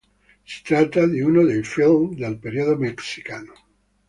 Si tratta di uno dei film del periodo messicano.